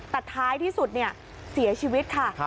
แต่ท้ายที่สุดเสียชีวิตค่ะ